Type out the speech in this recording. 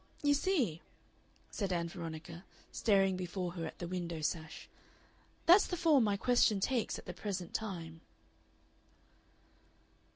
"You see," said Ann Veronica, staring before her at the window sash, "that's the form my question takes at the present time."